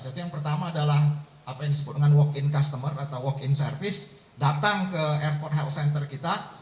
jadi yang pertama adalah apa yang disebut walk in customer atau walk in service datang ke airport health center kita